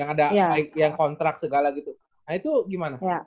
yang ada yang kontrak segala gitu nah itu gimana